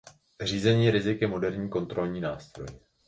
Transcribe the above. Řízení rizik je moderní kontrolní nástroj.